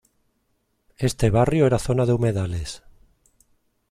Este barrio era zona de humedales.